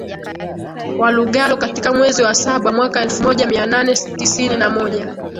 wa Lugalo Katika mwezi wa saba mwaka elfu moja mia nane tisini na moja